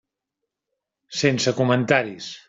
Sense comentaris.